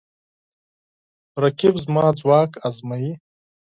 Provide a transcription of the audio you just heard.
رقیب زما ځواک ازموي